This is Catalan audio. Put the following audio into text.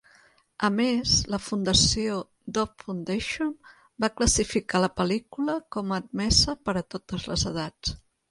A més, la fundació Dove Foundation va classificar la pel·lícula com a "admesa per a totes les edats".